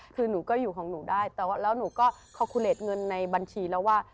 คือหนูก็อยู่ของหนูได้แต่ว่าแล้วหนูก็คอคูเลสเงินในบัญชีแล้วว่า